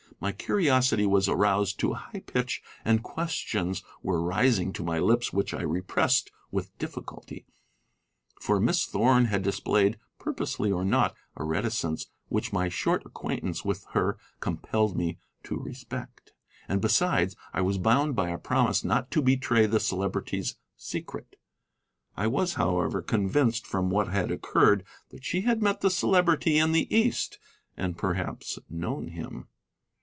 My curiosity was aroused to a high pitch, and questions were rising to my lips which I repressed with difficulty. For Miss Thorn had displayed, purposely or not, a reticence which my short acquaintance with her compelled me to respect; and, besides, I was bound by a promise not to betray the Celebrity's secret. I was, however, convinced from what had occurred that she had met the Celebrity in the East, and perhaps known him.